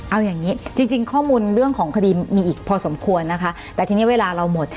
เอาอย่างงี้จริงจริงข้อมูลเรื่องของคดีมีอีกพอสมควรนะคะแต่ทีนี้เวลาเราหมด